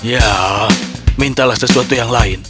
ya mintalah sesuatu yang lain